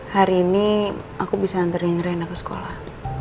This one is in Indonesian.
hari ini aku bisa anterin reina ke sekolah